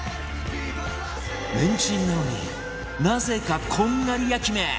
レンチンなのになぜかこんがり焼き目